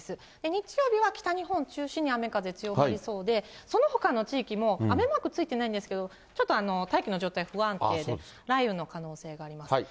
日曜日は北日本中心に、雨風強まりそうで、そのほかの地域も、雨マーク付いてないんですけど、ちょっと大気の状態不安定で、雷雨の可能性があります。